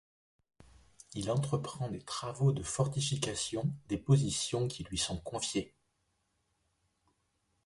Il entreprend des travaux de fortification des positions qui lui sont confiées.